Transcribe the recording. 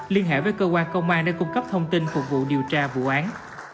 liên hệ với cơ quan công an để cung cấp thông tin phục vụ điều tra vụ án